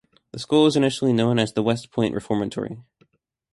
The school was initially known as the West Point Reformatory.